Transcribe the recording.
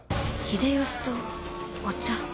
秀吉とお茶